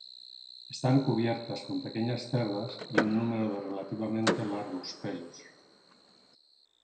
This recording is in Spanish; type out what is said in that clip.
Están cubiertas con pequeñas cerdas y un número de relativamente largos pelos.